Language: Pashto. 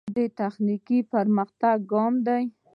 راکټ د تخنیکي پرمختګ ګام دی